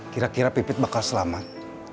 kira kira pipit bakal selamat